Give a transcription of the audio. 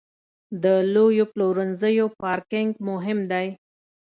د لویو پلورنځیو پارکینګ مهم دی.